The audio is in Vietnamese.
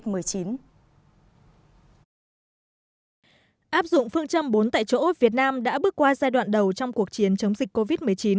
áp dụng phương châm bốn tại chỗ việt nam đã bước qua giai đoạn đầu trong cuộc chiến chống dịch covid một mươi chín